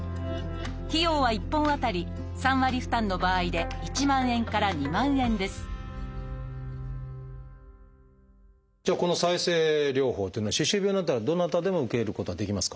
費用は１本あたり３割負担の場合で１万円から２万円ですじゃあこの再生療法というのは歯周病になったらどなたでも受けることはできますか？